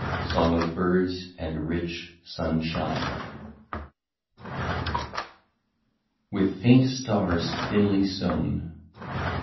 Song of birds, and rich sunshine. 171 WITH FAINT STARS THINLY SOWN.